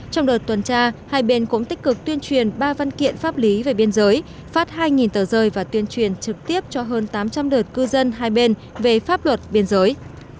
trong đợt tuần tra hai bên cũng tích cực tuyên truyền ba văn kiện pháp lý về biên giới phát hai tờ rơi và tuyên truyền trực tiếp cho hơn tám trăm linh đợt cư dân hai bên về pháp luật biên giới